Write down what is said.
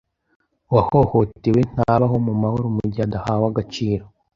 Uwahohotewe ntabaho mu mahoro mugihe adahawe agaciro